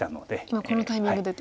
今このタイミングで。